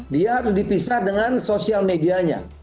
dia harus dipisah dengan sosial medianya